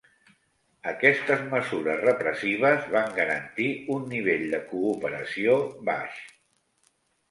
Aquestes mesures repressives van garantir un nivell de cooperació baix.